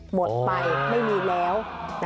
หมดไปไม่มีแล้ว